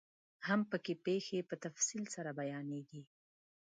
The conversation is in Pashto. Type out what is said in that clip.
هم پکې پيښې په تفصیل سره بیانیږي.